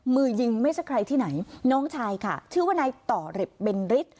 มือยิงไม่ใช่ใครที่ไหนน้องชายค่ะชื่อว่านายต่อฤทเบนฤทธิ